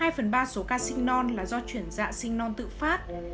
hai phần ba số ca sinh non là do chuyển dạ sinh non tự phát